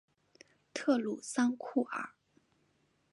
特鲁桑库尔。